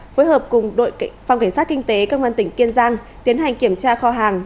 phối hợp cùng đội phòng cảnh sát kinh tế công an tỉnh kiên giang tiến hành kiểm tra kho hàng